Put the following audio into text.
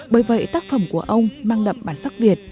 bởi vậy tác phẩm của ông mang đậm bản sắc việt